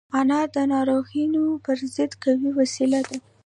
انار د ناروغیو پر ضد قوي وسيله ده.